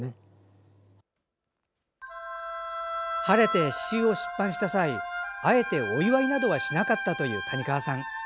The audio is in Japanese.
晴れて詩集を出版した際あえてお祝いなどはしなかったという谷川さん。